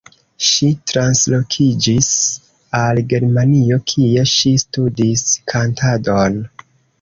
Ŝi translokiĝis al Germanio, kie ŝi studis kantadon.